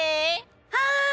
はい！